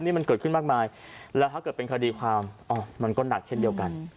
นี่มันเกิดขึ้นมากมายแล้วถ้าเกิดเป็นคดีความมันก็หนักเช่นเดียวกัน